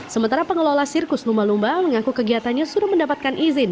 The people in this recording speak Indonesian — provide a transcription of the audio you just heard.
sementara pengelola sirkus lumba lumba mengaku kegiatannya sudah mendapatkan izin